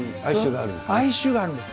哀愁があるんです。